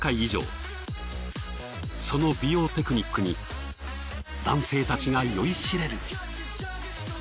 その美容テクニックに男性たちが酔いしれる。